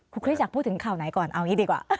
คุณคริสอยากพูดถึงข่าวไหนก่อนเอางี้ดีกว่า